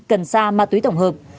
cần sa ma túy tổng hợp